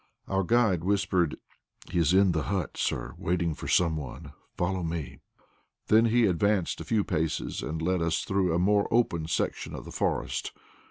Our guide whispered: "He is in the hut, sir, waiting for someone. Follow me." Then he advanced a few paces, and led us through a more open section of the forest.